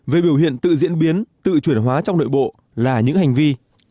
một mươi về biểu hiện tự diễn biến tự chuyển hóa trong nội bộ là những hành vi